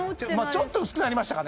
ちょっと薄くなりましたかね